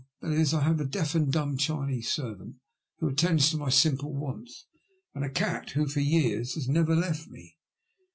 That is, I have a deaf and dumb Chinese servant who attends to my simple wants, and a cat who for years has never left me."